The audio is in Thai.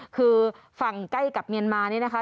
คือฝั่งใกล้กับเมียนมานี่นะคะ